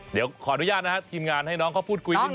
เดี๋ยวขออนุญาตนะฮะทีมงานให้น้องเขาพูดคุยนิดน